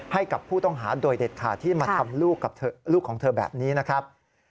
ให้กับผู้ต้องหาโดยเด็ดขาดที่มาทำลูกกับลูกของเธอแบบนี้นะครับ